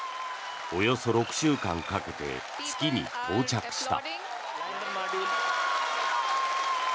およそ６週間かけて月に到着した。